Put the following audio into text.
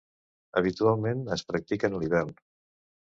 Habitualment es practiquen a l'hivern.